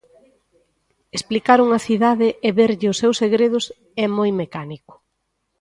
Explicar unha cidade e verlle os seus segredos é moi mecánico.